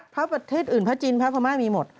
พระประเทศอื่นพระจีนพระพม่ามีหมด